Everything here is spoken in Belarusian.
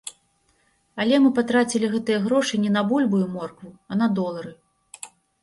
Але мы патрацілі гэтыя грошы не на бульбу і моркву, а на долары.